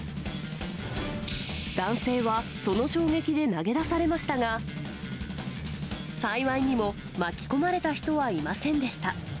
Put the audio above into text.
男性はその衝撃で投げ出されましたが、幸いにも、巻き込まれた人はいませんでした。